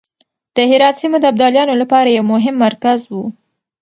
د هرات سيمه د ابدالیانو لپاره يو مهم مرکز و.